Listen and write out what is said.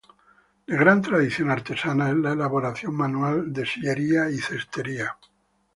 De gran tradición artesana es la elaboración manual de sillería y cestería.